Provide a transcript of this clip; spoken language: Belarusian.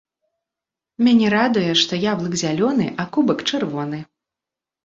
Мяне радуе, што яблык зялёны, а кубак чырвоны.